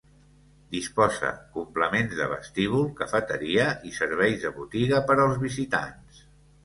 Disposa complements de vestíbul, cafeteria i serveis de botiga per als visitants.